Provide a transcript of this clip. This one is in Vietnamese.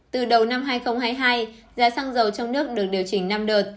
từ đầu năm hai nghìn hai mươi hai giá xăng dầu trong nước được điều chỉnh năm đợt